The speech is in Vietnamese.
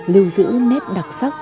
lưu giữ nét đặc sắc